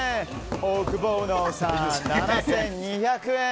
オオクボーノさんが７２００円。